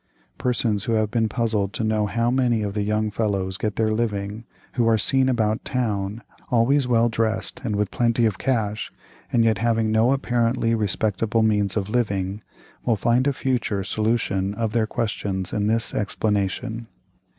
"Persons who have been puzzled to know how many of the young fellows get their living who are seen about town, always well dressed, and with plenty of cash, and yet having no apparently respectable means of living, will find a future solution of their questions in this explanation.